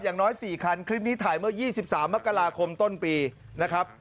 อย่างน้อย๔คันคลิปนี้ถ่ายเมื่อ๒๓มกราคมต้นปีนะครับ